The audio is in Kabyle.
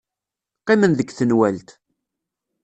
Qqimen deg tenwalt.